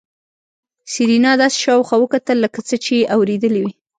سېرېنا داسې شاوخوا وکتل لکه څه چې يې اورېدلي وي.